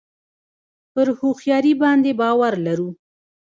پر هوښیاري باندې باور لرو.